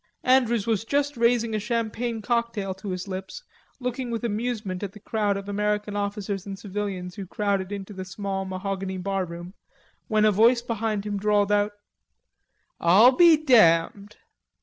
Andrews was just raising a champagne cocktail to his lips, looking with amusement at the crowd of American officers and civilians who crowded into the small mahogany barroom, when a voice behind him drawled out: "I'll be damned!"